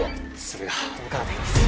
それが分からないんです。